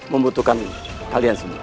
membutuhkan kalian semua